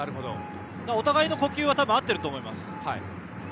だからお互いの呼吸は多分合っていると思います。